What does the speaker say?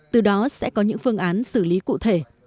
từ đó sẽ có những phương án xử lý cụ thể